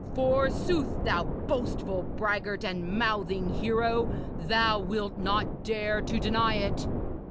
Forsooth, thou boastful braggart and mouthing hero, thou wilt not dare to deny it!'